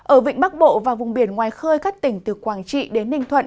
ở vịnh bắc bộ và vùng biển ngoài khơi các tỉnh từ quảng trị đến ninh thuận